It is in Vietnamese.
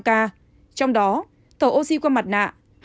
trong đó thở oxy qua mặt nạ hai hai trăm tám mươi ba